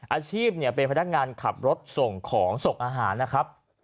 อาชีพเป็นพนักงานขับรถส่งของส่งอาหารนะครับ